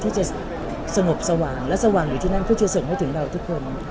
ที่จะสงบสว่างและสว่างอยู่ที่นั่นเพื่อจะส่งให้ถึงเราทุกคน